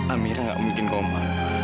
amira gak mungkin koma